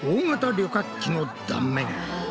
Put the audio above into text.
旅客機の断面。